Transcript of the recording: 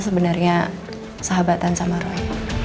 sebenarnya sahabatan sama roy